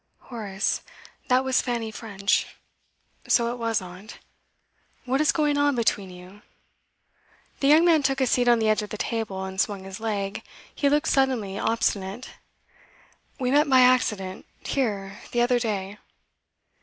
'Horace, that was Fanny French.' 'So it was, aunt.' 'What is going on between you?' The young man took a seat on the edge of the table, and swung his leg. He looked suddenly obstinate. 'We met by accident here the other day.